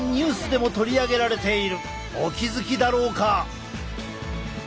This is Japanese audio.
お気付きだろうか？